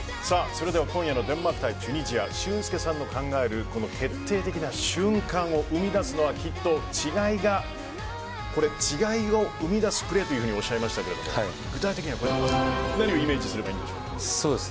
それでは今夜のデンマーク対チュニジア俊輔さんの考える決定的な瞬間を生み出すのは違いを生み出すプレーとおっしゃいましたが具体的には何をイメージすればいいんでしょう？